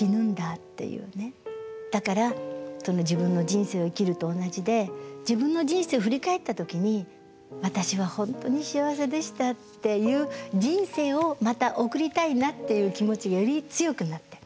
だから自分の人生を生きると同じで自分の人生を振り返った時に「私は本当に幸せでした」っていう人生をまた送りたいなっていう気持ちがより強くなってる。